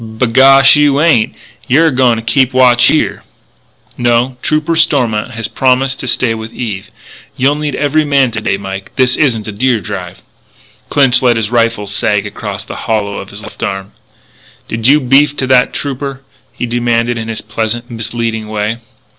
"B'gosh, you ain't. You're a goin' to keep watch here." "No. Trooper Stormont has promised to stay with Eve. You'll need every man to day, Mike. This isn't a deer drive." Clinch let his rifle sag across the hollow of his left arm. "Did you beef to that trooper?" he demanded in his pleasant, misleading way.